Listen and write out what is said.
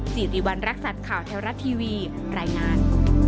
สิริวัณรักษัตริย์ข่าวแท้รัฐทีวีรายงาน